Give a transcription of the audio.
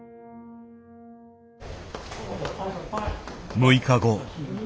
６日後。